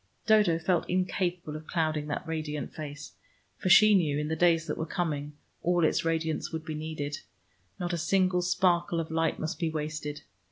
Dodo felt incapable of clouding that radiant face, for she knew in the days that were coming, all its radiance would be needed: not a single sparkle of light must be wasted.